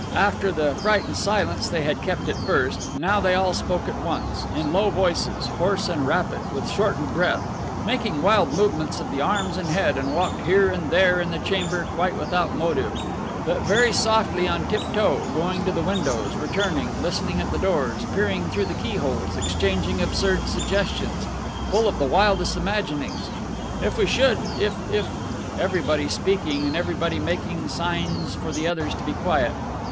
After the frightened silence they had kept at first, now they all spoke at once, in low voices, hoarse and rapid, with shortened breath, making wild movements of the arms and head, and walked here and there in the chamber quite without motive, but very softly on tiptoe, going to the windows, returning, listening at the doors, peering through the key holes, exchanging absurd suggestions, full of the wildest imaginings. "If we should... if... if," everybody speaking and everybody making signs for the others to be quiet.